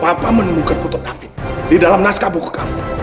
papa menemukan foto david di dalam naskah buka kamu